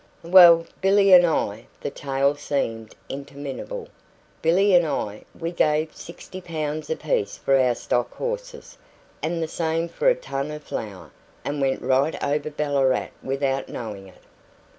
"Well, Billy and I" the tale seemed interminable "Billy and I, we gave sixty pounds apiece for our stock horses, and the same for a ton of flour; and went right over Ballarat without knowing it.